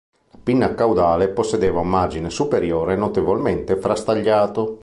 La pinna caudale possedeva un margine superiore notevolmente frastagliato.